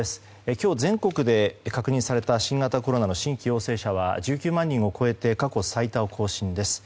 今日全国で確認された新型コロナの新規陽性者は１９万人を超えて過去最多を更新です。